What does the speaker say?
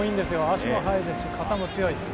足も速いですし、肩も強い。